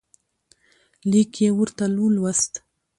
لیک یې ورته ولوست.